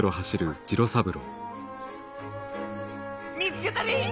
見つけたり！